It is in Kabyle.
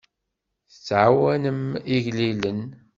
Tettɛawanem igellilen.